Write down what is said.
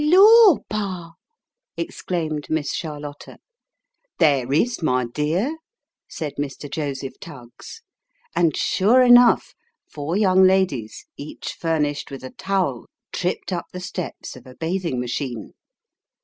" Lor, pa !" exclaimed Miss Charlotta. "There is, my dear," said Mr. Joseph Tuggs. And, sure enough, four young ladies, each furnished with a towel, tripped up the steps of a bathing machine.